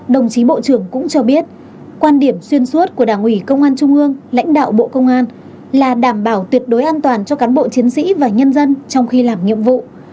đồng chí bộ trưởng cũng cho biết quan điểm xuyên suốt của đảng ủy công an trung ương lãnh đạo bộ công an là đảm bảo tuyệt đối an toàn cho cán bộ chiến sĩ và nhân dân trong khi làm nhiệm vụ